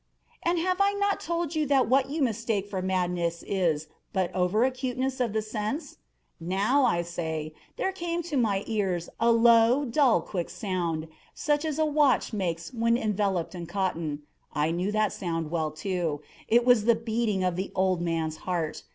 And have I not told you that what you mistake for madness is but over acuteness of the sense?—now, I say, there came to my ears a low, dull, quick sound, such as a watch makes when enveloped in cotton. I knew that sound well, too. It was the beating of the old man's heart.